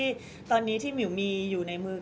ก็ต้องฝากพี่สื่อมวลชนในการติดตามเนี่ยแหละค่ะ